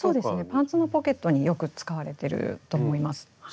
パンツのポケットによく使われてると思います。